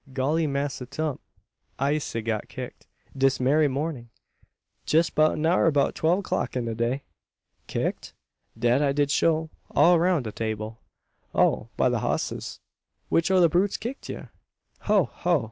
"Golly, Massa Tump, I'se got kicked dis berry mornin', jes 'bout an hour arter twelve o'clock in de day." "Kicked?" "Dat I did shoo all round de 'table." "Oh! by the hosses! Which o' the brutes kicked ye?" "Ho! ho!